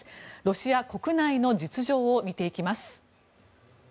ロシア国内の実情を見ていきます。